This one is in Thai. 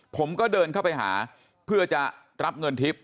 ผมก็เดินเข้าไปหาเพื่อจะรับเงินทิพย์